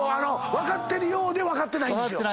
分かってるようで分かってない。